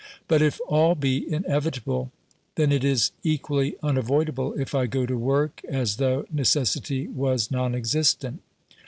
But if all be inevitable, then it is equally unavoidable if I go to work as though necessity was non existent.